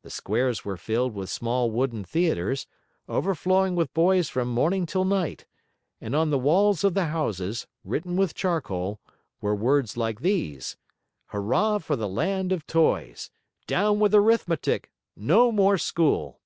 The squares were filled with small wooden theaters, overflowing with boys from morning till night, and on the walls of the houses, written with charcoal, were words like these: HURRAH FOR THE LAND OF TOYS! DOWN WITH ARITHMETIC! NO MORE SCHOOL!